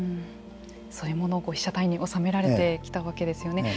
そういうものを被写体として収められてきたわけですよね。